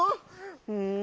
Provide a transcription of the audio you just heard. うん」。